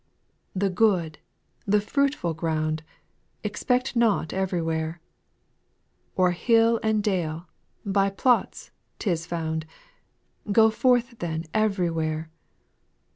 8. The good, the fruitful ground, Expect not everywhere ; O'er hill and dale, by plots, 't is found ; Go forth then everywhere.